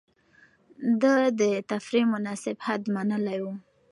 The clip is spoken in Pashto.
ده د تفريح مناسب حد منلی و.